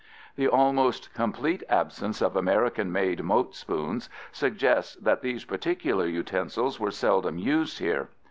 The almost complete absence of American made mote spoons suggests that these particular utensils were seldom used here.